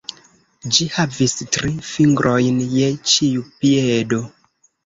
Ĝi havis tri fingrojn je ĉiu piedo.